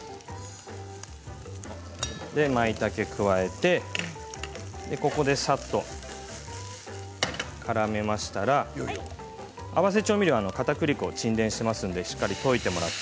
まいたけを加えてここでさっとからめましたら合わせ調味料かたくり粉が沈殿していますのでしっかり溶いてもらって。